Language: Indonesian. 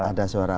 ada suara pak